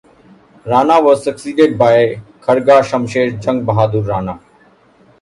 Rana was succeeded by Khadga Shumsher Jung Bahadur Rana.